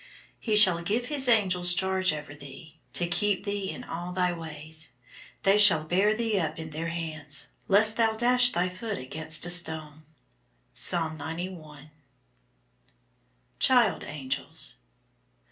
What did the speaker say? He shall give his angels charge over thee, To keep thee in all thy ways. They shall bear thee up in their hands, Lest thou dash thy foot against a stone. PSALM XCI. CHAPTER V. CHILD ANGELS.